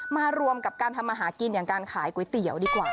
มารวมกับการทำอาหารกินอย่างการขายก๋วยเตี๋ยวดีกว่า